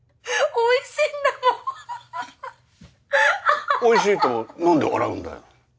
おいしいとなんで笑うんだよ。